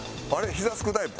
ひざ着くタイプ？